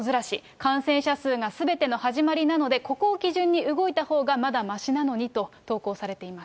感染者数がすべての始まりなので、ここを基準に動いたほうがまだましなのにと、投稿されています。